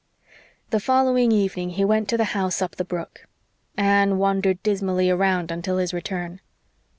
The following evening he went to the house up the brook. Anne wandered dismally around until his return.